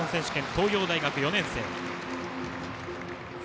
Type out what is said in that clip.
東洋大学の４年生。